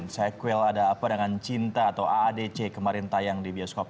sequel ada apa dengan cinta atau aadc kemarin tayang di bioskop